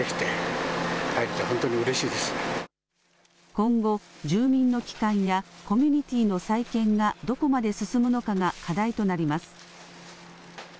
今後、住民の帰還やコミュニティーの再建がどこまで進むのかが課題となります。